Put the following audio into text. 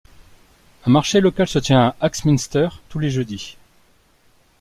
Un marché local se tient à Axminster tous les jeudis.